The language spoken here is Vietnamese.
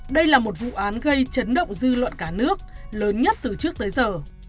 hành vi chấn động dư luận cả nước lớn nhất từ trước tới giờ